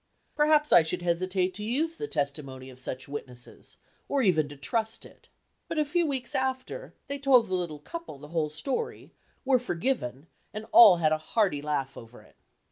Perhaps I should hesitate to use the testimony of such witnesses, or even to trust it. But a few weeks after, they told the little couple the whole story, were forgiven, and all had a hearty laugh over it.